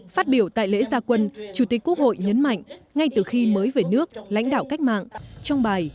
phát biểu tại lễ gia quân chủ tịch quốc hội nhấn mạnh ngay từ khi mới về nước lãnh đạo cách mạng trong bài